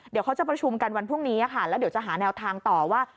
เดี๋ยวเขาจะประชุมกันวันพรุ่งนี้ค่ะแล้วเดี๋ยวจะหาแนวทางต่อว่า